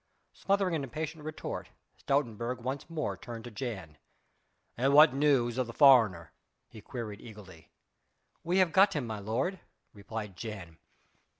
Smothering an impatient retort Stoutenburg once more turned to Jan. "And what news of the foreigner?" he queried eagerly. "We have got him, my lord," replied Jan.